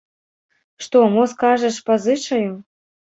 Што, мо скажаш, пазычаю?